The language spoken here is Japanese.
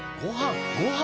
ご飯？